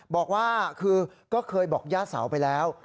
บอกว่าคือก็เคยบอกย่าเสาไปแล้ว